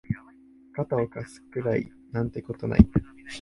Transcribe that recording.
肩を貸すくらいなんてことはない